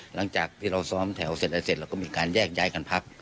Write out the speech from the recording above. หลังจากที่เราซ้อมแถวเสร็จแล้วเสร็จเราก็มีการแยกย้ายกันพัก